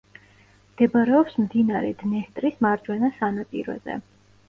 მდებარეობს მდინარე დნესტრის მარჯვენა სანაპიროზე.